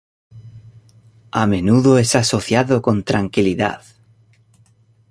A menudo es asociado con "tranquilidad".